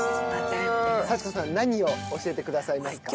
幸子さん何を教えてくださいますか？